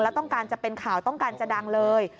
แล้วต้องการจะเป็นข่าวต้องการจะดังเลย